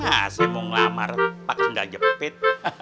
masih mau ngelamar pakai sendal jepit